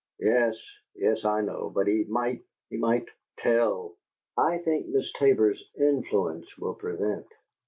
"Yes yes, I know; but he might he might tell." "I think Miss Tabor's influence will prevent.